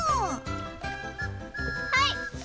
はい。